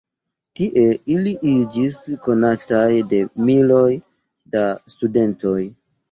Tie ili iĝis konataj de miloj da studentoj.